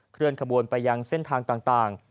เคลื่อนขบวนไปยังเส้นทางต่าง